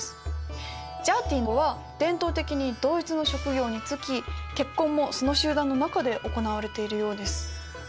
ジャーティは伝統的に同一の職業に就き結婚もその集団の中で行われているようです。